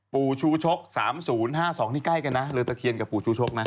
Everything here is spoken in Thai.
ปู่ชูชก๓๐๕๒นี่ใกล้กันนะเรือตะเคียนกับปู่ชูชกนะ